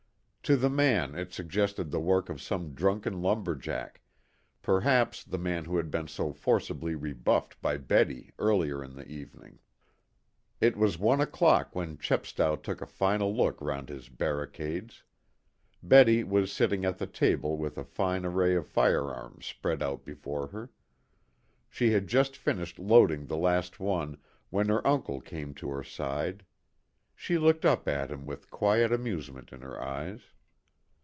To the man it suggested the work of some drunken lumber jack perhaps the man who had been so forcibly rebuffed by Betty earlier in the evening. It was one o'clock when Chepstow took a final look round his barricades. Betty was sitting at the table with a fine array of firearms spread out before her. She had just finished loading the last one when her uncle came to her side. She looked up at him with quiet amusement in her eyes.